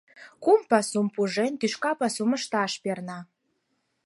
Кум пасум пужен, тӱшка пасум ышташ перна.